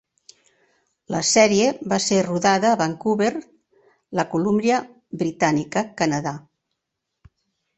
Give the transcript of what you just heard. La sèrie va ser rodada a Vancouver, la Columbia Britànica, Canadà.